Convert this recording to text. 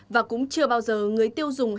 và cũng chưa bao giờ người tiêu dùng hết lo